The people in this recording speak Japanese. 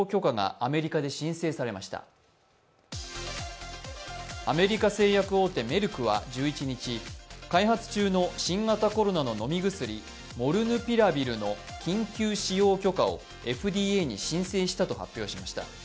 アメリカ製薬大手メルクは１１日、開発中の新型コロナの飲み薬モルヌピラビルの緊急使用許可をＦＤＡに申請したと発表しました。